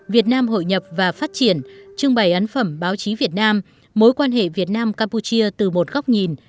việt nam hội nhập và phát triển trưng bày ấn phẩm báo chí việt nam mối quan hệ việt nam campuchia từ một góc nhìn